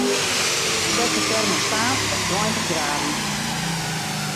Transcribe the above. Set de termostaat op tweintich graden.